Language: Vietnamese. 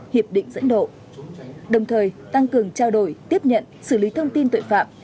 hiệp định dẫn độ đồng thời tăng cường trao đổi tiếp nhận xử lý thông tin tội phạm